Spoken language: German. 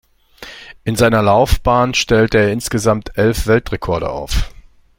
In seiner Laufbahn stellte er insgesamt elf Weltrekorde auf.